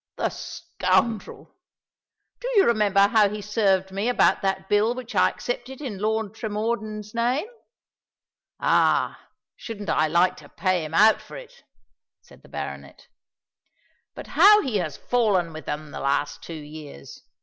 "The scoundrel! Do you remember how he served me about that bill which I accepted in Lord Tremordyn's name? Ah! shouldn't I like to pay him out for it!" said the baronet. "But how he has fallen within the last two years!